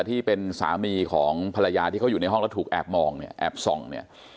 ที่เป็นสามีของภรรยาที่เขาอยู่ในห้องแล้วถูกแอบมองเนี่ยแอบส่องเนี่ย